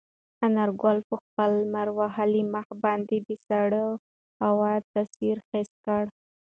انارګل په خپل لمر وهلي مخ باندې د سړې هوا تاثیر حس کړ.